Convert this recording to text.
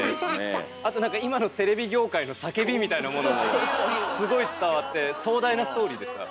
あと何か今のテレビ業界の叫びみたいなものもすごい伝わって壮大なストーリーでした。